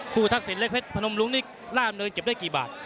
คู่ทักษิณเล็กเพชรฟันบำรุงนี่ร่านเงินเก็บได้กี่บาท